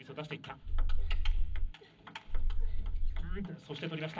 そして、取りました。